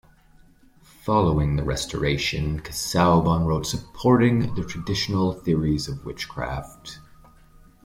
Following the Restoration, Casaubon wrote supporting the traditional theories of witchcraft.